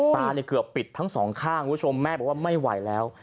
เกือบปิดทั้งสองข้างคุณผู้ชมแม่บอกว่าไม่ไหวแล้ว